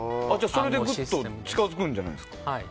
それで、ぐっと近づくんじゃないですか。